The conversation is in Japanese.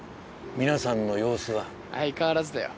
皆さんの様子は相変わらずだよ